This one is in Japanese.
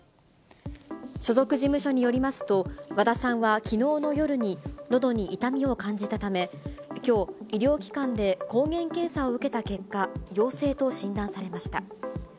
所属事務所によりますと、和田さんはきのうの夜にのどに痛みを感じたため、きょう、医療機関で抗原検査を受けた結果、陽性と診断されました。